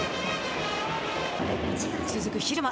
続く蛭間。